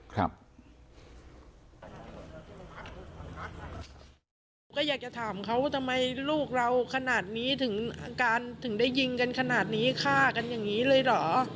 ผมก็อยากจะถามเขาว่าทำไมลูกเราขนาดนี้ถึงอาการถึงได้ยิงกันขนาดนี้ฆ่ากันอย่างนี้เลยเหรอ